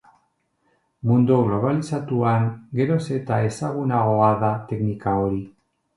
Mundu globalizatuan geroz eta ezagunagoa da teknika hori.